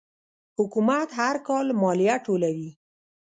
حکومت هر کال مالیه ټولوي.